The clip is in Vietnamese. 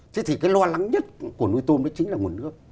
chứ thì cái lo lắng nhất của nuôi tôm đó chính là nguồn nước